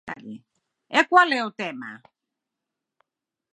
¿E cal é o tema?